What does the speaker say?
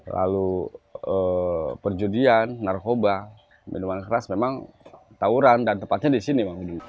lalu perjudian narkoba minuman keras memang tawuran dan tepatnya di sini